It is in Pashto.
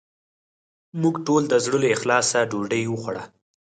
موږ ټولو د زړه له اخلاصه ډوډې وخوړه